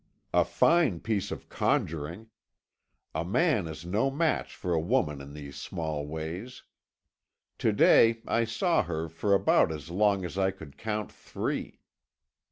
A fine piece of conjuring. A man is no match for a woman in these small ways. To day I saw her for about as long as I could count three.